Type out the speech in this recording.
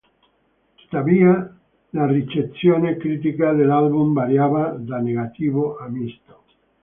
Tuttavia, la ricezione critica dell'album variava da negativo a misto.